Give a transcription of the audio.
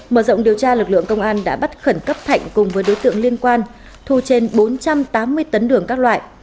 mở rộng điều tra lực lượng công an đã bắt khẩn cấp thạnh cùng với đối tượng liên quan thu trên bốn trăm tám mươi tấn đường các loại